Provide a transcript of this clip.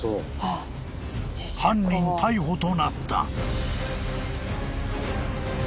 ［犯人逮捕となった］